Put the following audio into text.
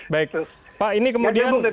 baik pak ini kemudian